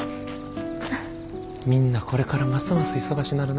みんなこれからますます忙しなるな。